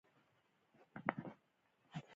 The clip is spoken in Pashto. دلته د یخنۍ احساس کېده.